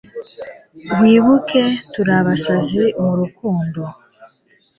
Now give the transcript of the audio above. Wibuke, turi abasazi mu rukundo,